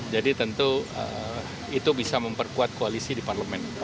jadi tentu itu bisa memperkuat koalisi di parlemen